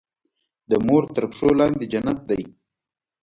د مور تر پښو لاندې جنت دی.